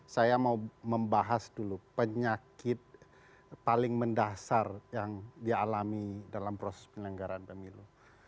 saya mau membahas dulu penyakit paling mendasar yang dialami dalam proses penelenggaraan pemilu